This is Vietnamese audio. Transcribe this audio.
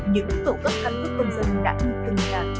những khẩu cấp căn cước công dân đã đi từng nhà